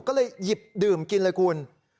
ก็เลยหยิบดื่มกินเลยคุณ